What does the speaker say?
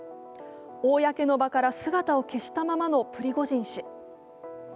公の場から姿を消したままのプリゴジン氏。